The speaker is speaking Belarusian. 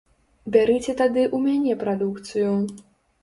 Бярыце тады ў мяне прадукцыю.